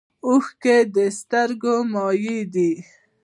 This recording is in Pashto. اوښکې د سترګو مایع ده